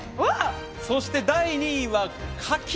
そして第２位は柿。